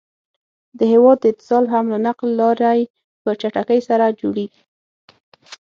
د هيواد د اتصال حمل نقل لاری په چټکی سره جوړيږي